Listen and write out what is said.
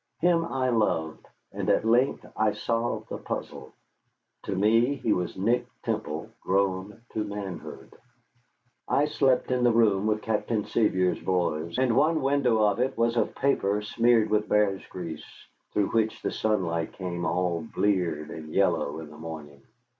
Him I loved, and at length I solved the puzzle. To me he was Nick Temple grown to manhood. I slept in the room with Captain Sevier's boys, and one window of it was of paper smeared with bear's grease, through which the sunlight came all bleared and yellow in the morning.